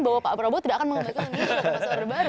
bahwa pak prabowo tidak akan mengembalikan ini